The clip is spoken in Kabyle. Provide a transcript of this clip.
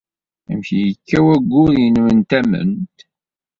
Amek ay yekka wayyur-nnem n tamemt?